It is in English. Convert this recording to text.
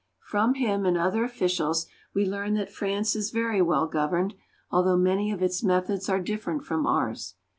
From him and other officials we learn that France is very well governed, although many of its methods are different from ours.